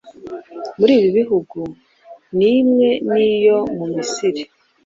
muri ibi bihugu, ni imwe n’iyo mu Misiri.